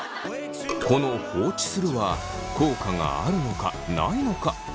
この「放置する」は効果があるのかないのか。